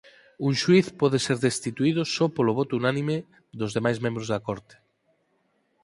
Un xuíz pode ser destituído só polo voto unánime dos demais membros da Corte.